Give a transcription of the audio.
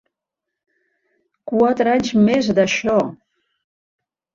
Quatre anys més d’això!